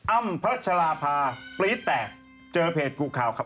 อั้มพรชลาภาปลีตแตกเจอเพจกุคล่าว